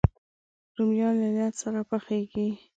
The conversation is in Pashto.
رومیان له نیت سره پخېږي